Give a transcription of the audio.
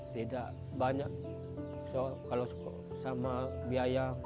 tidak banyak kalau sama biaya